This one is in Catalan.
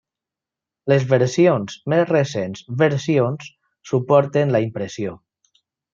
Les versions més recents versions suporten la impressió.